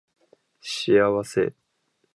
幸せ